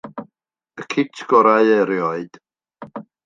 Y cit gorau erioed.